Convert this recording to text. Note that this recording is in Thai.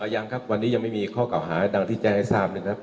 ยังครับวันนี้ยังไม่มีข้อเก่าหาดังที่แจ้งให้ทราบนะครับ